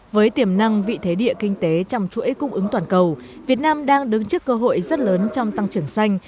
với tiềm năng vị thế địa kinh tế trong chuỗi cung ứng toàn cầu việt nam đang đứng trước cơ hội rất lớn trong tăng trưởng xanh